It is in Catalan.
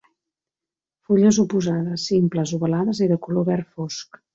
Fulles oposades, simples, ovalades i de color verd fosc.